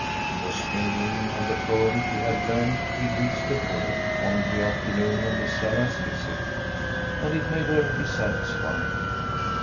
She was thinking of the poem she had learned three weeks before, on the afternoon of Miss Sarah's visit, and it made her dissatisfied.